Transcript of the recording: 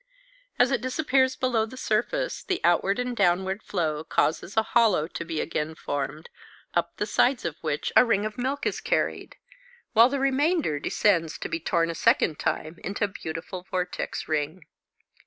As it disappears below the surface, the outward and downward flow causes a hollow to be again formed, up the sides of which a ring of milk is carried; while the remainder descends to be torn a second time into a beautiful vortex ring.